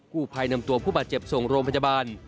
ผู้ภัยนำตัวผู้บาดเจ็บส่งโรงพยาบาล